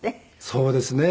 そうですね。